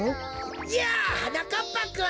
やあはなかっぱくん。